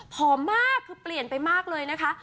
มากคือเปลี่ยนไปมากเลยนะคะ